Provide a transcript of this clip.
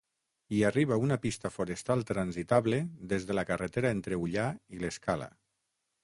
Hi arriba una pista forestal transitable des de la carretera entre Ullà i l'Escala.